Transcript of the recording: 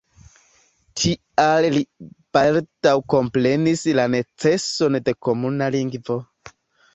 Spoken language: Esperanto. Tial li baldaŭ komprenis la neceson de komuna lingvo.